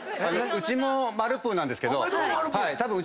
うちもマルプーなんですけどたぶん。